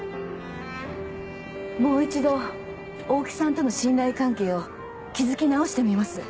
もう一度大木さんとの信頼関係を築き直してみます。